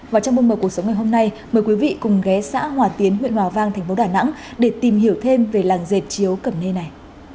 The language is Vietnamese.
và trong bông mờ cuộc sống ngày hôm nay mời quý vị cùng ghé xã hòa tiến huyện hòa vang thành phố đà nẵng để tìm hiểu thêm về làng dệt chiếu cẩm nê này